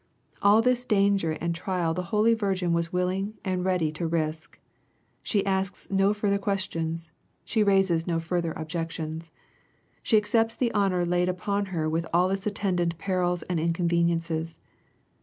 All this danger and trial the holy Virgin was willing and ready to risk. She asks no further questions. She raises no further objections. She accepts the honor laid upon her with all its attendant perils and inconveniences.